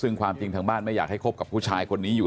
แล้วก็ยัดลงถังสีฟ้าขนาด๒๐๐ลิตร